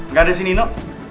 gak ada si nino